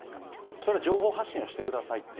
それは情報発信をしてくださいっていう。